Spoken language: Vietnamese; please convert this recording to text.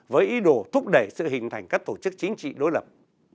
với ý đồ thúc đẩy sự hình thành các tổ chức chính trị đối lập